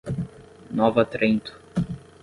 Nova Trento